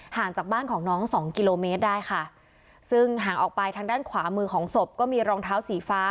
ห่างจากบ้านของน้องสองกิโลเมตรได้ค่ะซึ่งห่างออกไปทางด้านขวามือของศพก็มีรองเท้าสีฟ้า